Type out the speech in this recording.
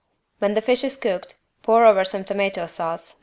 When the fish is cooked pour over some tomato sauce (No.